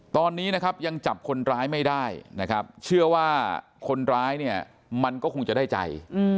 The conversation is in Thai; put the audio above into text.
ตอนนี้ยังจับคนร้ายไม่ได้เชื่อว่าคนร้ายมันก็คงจะได้ใจ